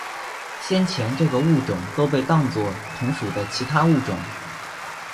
先前这个物种都被当作同属的其他物种。